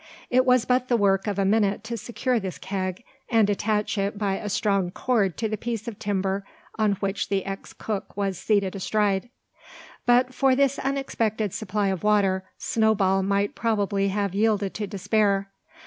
It was but the work of a minute to secure this keg, and attach it by a strong cord to the piece of timber on which the ex cook was seated astride. But for this unexpected supply of water Snowball might probably have yielded to despair.